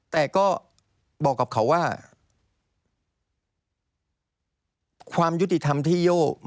แต่ก็บอกกับเขาว่าความยุติธรรมที่โยโยไม่ได้รับ